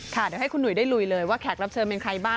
ค่ะเดี๋ยวให้คุณหุยได้ลุยเลยว่าแขกรับเชิญเป็นใครบ้าง